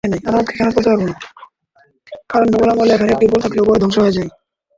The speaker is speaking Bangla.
কারণ মোগল আমলে এখানে একটি পুল থাকলেও পরে ধ্বংস হয়ে যায়।